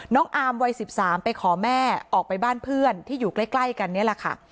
อามวัย๑๓ไปขอแม่ออกไปบ้านเพื่อนที่อยู่ใกล้กันนี่แหละค่ะ